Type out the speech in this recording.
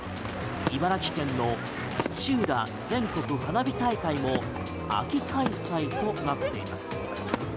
茨城県の土浦全国花火大会も秋開催となっています。